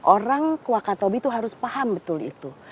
orang wakatobi itu harus paham betul itu